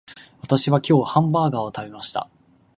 私は今日ハンバーガーを食べました